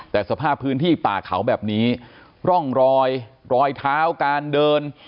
แต่สภาพพื้นที่ป่าเขาแบบนี้ร่องรอยรอยเท้าการเดิน